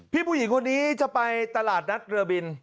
ผู้หญิงคนนี้จะไปตลาดนัดเรือบิน